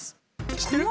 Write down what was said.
知ってる？